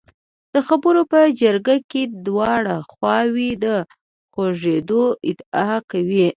د خبرو په جګړه کې دواړه خواوې د خوږېدو ادعا کوي.